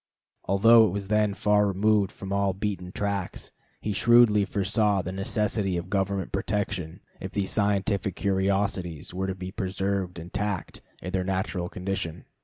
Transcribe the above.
Although it was then far removed from all beaten tracks, he shrewdly foresaw the necessity of government protection, if these scientific curiosities were to be preserved intact in their natural condition.